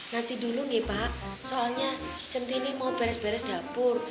nanti dulu nih pak soalnya centini mau beres beres dapur